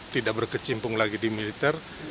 tidak berkecimpung lagi di militer